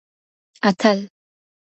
اتل